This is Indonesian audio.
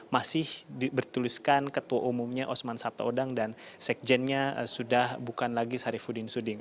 masih bertuliskan ketua umumnya osman sabtaodang dan sekjennya sudah bukan lagi sarifudin suding